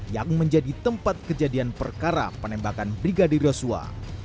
yang menjadi tempat kejadian perkara penembakan brigadir yosua